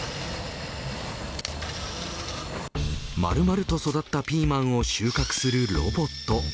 まるまると育ったピーマンを収穫するロボット